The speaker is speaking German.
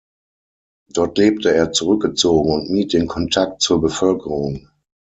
Dort lebte er zurückgezogen und mied den Kontakt zur Bevölkerung.